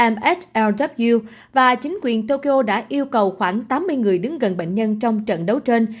mhlw và chính quyền tokyo đã yêu cầu khoảng tám mươi người đứng gần bệnh nhân trong trận đấu trên